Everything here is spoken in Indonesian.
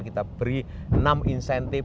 kita beri enam insentif